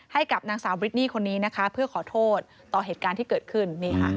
ให้กับนางสาวบริดนี่คนนี้นะคะเพื่อขอโทษต่อเหตุการณ์ที่เกิดขึ้น